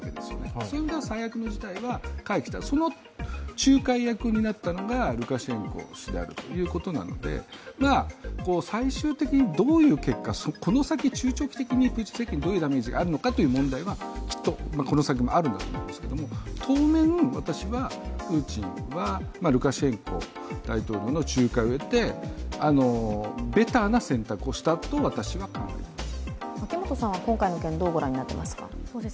そういう意味では最悪の事態は回避できた、その仲介役となったのがルカシェンコ氏であるということなので、最終的にどういう結果、この先中長期的にプーチン政権にどういうダメージがあるのかはこの先、あると思うんですが、当面、私はプーチンはルカシェンコ大統領の仲介を得て、ベターな選択をしたと私は考えます。